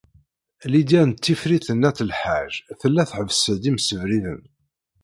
Lidya n Tifrit n At Lḥaǧ tella tḥebbes-d imsebriden.